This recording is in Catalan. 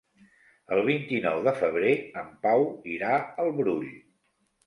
El vint-i-nou de febrer en Pau irà al Brull.